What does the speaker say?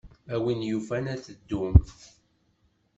A win yufan ad teddum.